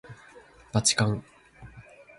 ばちかん